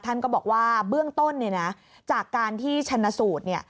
ท่านก็บอกว่าเบื้องต้นจากการที่ชนะสูตร